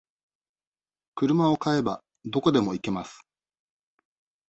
車を買えば、どこでも行けます。